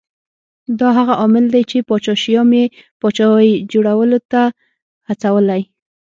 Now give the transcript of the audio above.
دا هغه عامل دی چې پاچا شیام یې پاچاهۍ جوړولو ته هڅولی